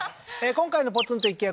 今回のポツンと一軒家